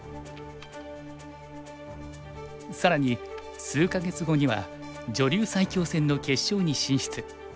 更に数か月後には女流最強戦の決勝に進出。